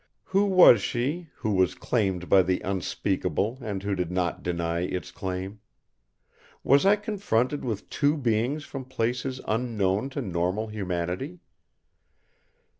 Who was she, who was claimed by the Unspeakable and who did not deny Its claim? Was I confronted with two beings from places unknown to normal humanity?